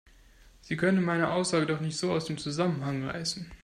Sie können meine Aussage doch nicht so aus dem Zusammenhang reißen!